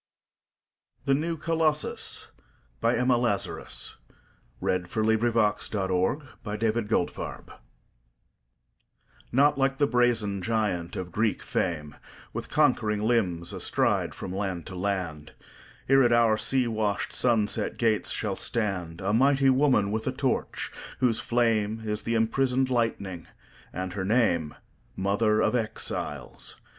The New Colossus Emma Lazarus NOT like the brazen giant of Greek fame, With conquering limbs astride from land to land; Here at our sea washed, sunset gates shall standA mighty woman with a torch, whose flameIs the imprisoned lightning, and her nameMother of Exiles.